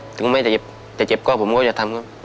ถึงไม่จะเจ็บก็ผมก็จะทำครับ